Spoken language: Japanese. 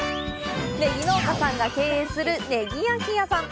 ねぎ農家さんが経営するねぎ焼き屋さん。